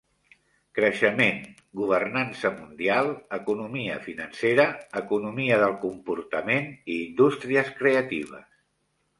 Creixement, governança mundial, economia financera, economia del comportament i indústries creatives.